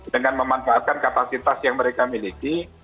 dengan memanfaatkan kapasitas yang mereka miliki